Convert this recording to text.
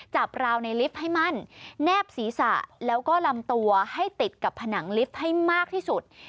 ราวในลิฟต์ให้มั่นแนบศีรษะแล้วก็ลำตัวให้ติดกับผนังลิฟต์ให้มากที่สุด